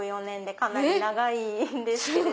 かなり長いんですけど。